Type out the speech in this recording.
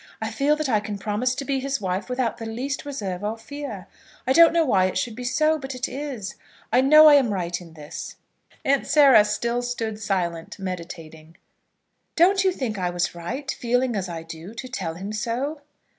I feel that I can promise to be his wife without the least reserve or fear. I don't know why it should be so; but it is. I know I am right in this." Aunt Sarah still stood silent, meditating. "Don't you think I was right, feeling as I do, to tell him so?